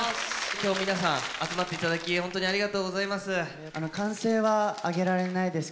きょうは皆さん、集まっていただき本当にありがとうございます。